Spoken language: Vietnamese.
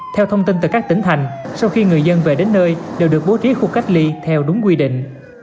theo thông tin từ các tỉnh thành sau khi người dân về đến nơi đều được bố trí khu cách ly theo đúng quy định